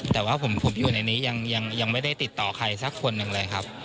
แต่ว่าผมอยู่ในนี้ยังไม่ได้ติดต่อใครสักคนหนึ่งเลยครับ